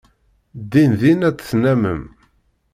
Dindin ad t-tennammem.